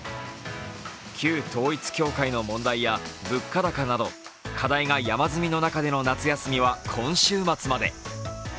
旧統一教会の問題や物価高など課題が山積みの中での夏休みは今週末まで。